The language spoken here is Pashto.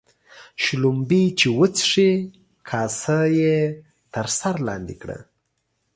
شلومبې چې وچښې ، کاسه يې تر سر لاندي کړه.